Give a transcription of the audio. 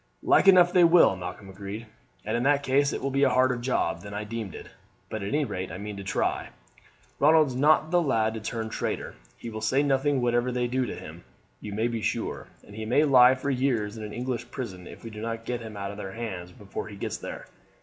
"Like enough they will," Malcolm agreed, "and in that case it will be a harder job than I deemed it. But at any rate I mean to try. Ronald's not the lad to turn traitor; he will say nothing whatever they do to him, you may be sure, and he may lie for years in an English prison if we do not get him out of their hands before he gets there.